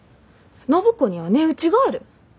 暢子には値打ちがある！